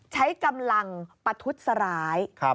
ใช้กำลังประทุษร้าย